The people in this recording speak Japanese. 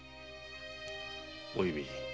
お弓